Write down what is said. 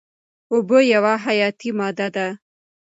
اوبه یوه حیاتي ماده ده.